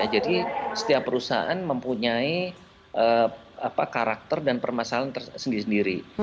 jadi setiap perusahaan mempunyai karakter dan permasalahan sendiri sendiri